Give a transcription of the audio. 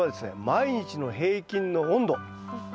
毎日の平均の温度。